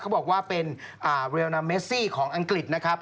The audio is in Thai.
เขาบอกว่าเป็นเรียลนาเมซี่ของอังกฤษนะครับ